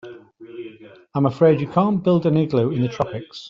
I'm afraid you can't build an igloo in the tropics.